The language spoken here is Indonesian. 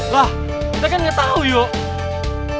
lah kita kan gak tau yoke